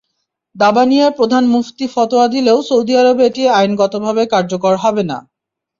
দাবা নিয়ে প্রধান মুফতি ফতোয়া দিলেও সৌদি আরবে এটি আইনগতভাবে কার্যকর হবে না।